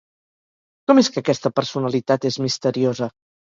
Com és que aquesta personalitat és misteriosa?